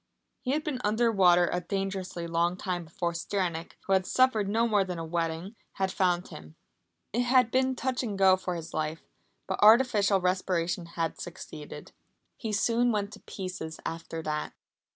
He had been under water a dangerously long time before Stranack, who had suffered no more than a wetting, had found him. It had been touch and go for his life, but artificial respiration had succeeded. He soon went to pieces after that.